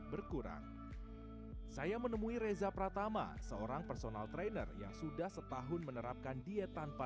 berkurang saya menemui reza pratama seorang personal trainer yang sudah setahun menerapkan diet tanpa